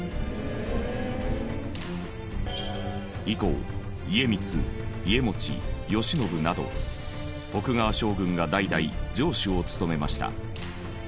以降家光家茂慶喜など徳川将軍が代々城主を務めました。